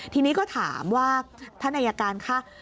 ทีนี้ก็ถามว่าท่านอายการคะ